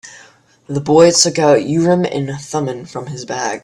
The boy took out Urim and Thummim from his bag.